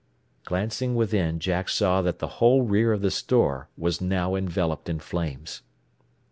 Glancing within Jack saw that the whole rear of the store was now enveloped in flames.